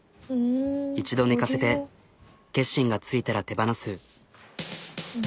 １度寝かせて決心がついたら手放す。